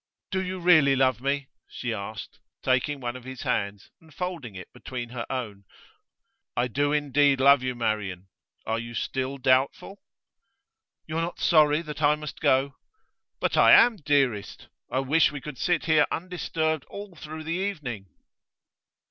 'Do you really love me?' she asked, taking one of his hands and folding it between her own. 'I do indeed love you, Marian. Are you still doubtful?' 'You're not sorry that I must go?' 'But I am, dearest. I wish we could sit here undisturbed all through the evening.